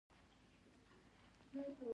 باسواده میندې د ماشومانو د پوښتنو ځوابونه ورکوي.